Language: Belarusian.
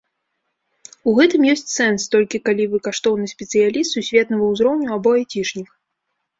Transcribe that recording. У гэтым ёсць сэнс, толькі калі вы каштоўны спецыяліст сусветнага ўзроўню або айцішнік.